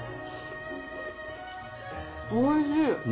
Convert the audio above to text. おいしい。